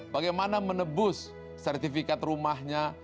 bagaimana menebus sertifikat rumahnya